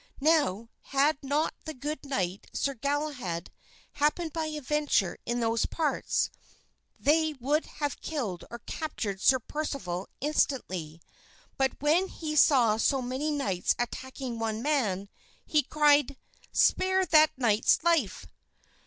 Now, had not the good knight, Sir Galahad, happened by adventure in those parts, they would have killed or captured Sir Percival instantly. But when he saw so many knights attacking one man, he cried, "Spare that knight's life!"